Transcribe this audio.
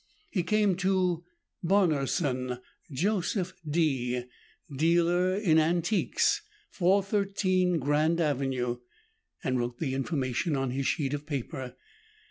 He came to "Barnerson, Joseph D., dlr. antqes. 413 Grand Ave.," and wrote the information on his sheet of paper.